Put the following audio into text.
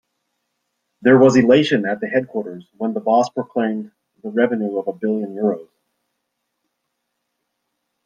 There was elation at the headquarters when the boss proclaimed the revenue of a billion euros.